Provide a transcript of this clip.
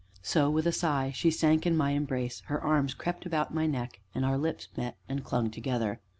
So, with a sigh, she sank in my embrace, her arms crept about my neck, and our lips met, and clung together.